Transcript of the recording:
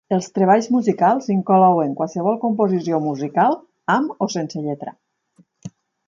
Els treballs musicals inclouen qualsevol composició musical amb o sense lletra.